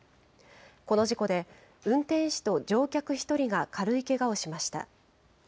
この事故で、運転士と乗客１人が軽いけがをしました。